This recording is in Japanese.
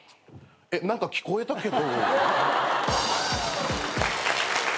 えっ何か聞こえたけど。